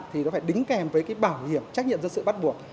thì nó phải đính kèm với cái bảo hiểm trách nhiệm dân sự bắt buộc